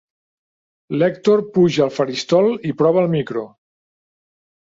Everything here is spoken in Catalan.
L'Èctor puja al faristol i prova el micro.